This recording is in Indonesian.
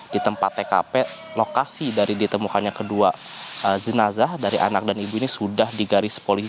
di tempat tkp lokasi dari ditemukannya kedua jenazah dari anak dan ibu ini sudah digaris polisi